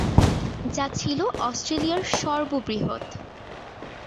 যা ছিল অস্ট্রেলিয়ার সর্ব বৃহৎ।